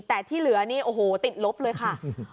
แต่ที่เหลือนี่โอ้โหติดลบเลยค่ะ